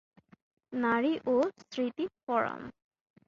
নারী ও স্মৃতি ফোরাম।